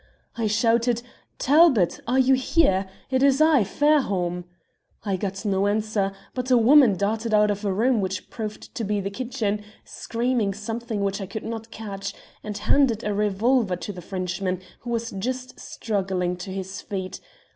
"I shouted, 'Talbot, are you there? It is I, Fairholme.' "I got no answer, but a woman darted out of a room which proved to be the kitchen, screamed something which I could not catch, and handed a revolver to the Frenchman, who was just struggling to his feet.